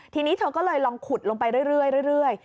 ทีนี้เธอก็เลยลองขุดลงไปเรื่อย